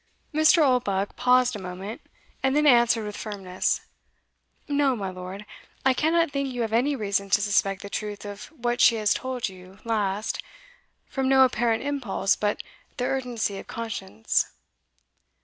Mr. Oldbuck paused a moment, and then answered with firmness "No, my lord; I cannot think you have any reason to suspect the truth of what she has told you last, from no apparent impulse but the urgency of conscience.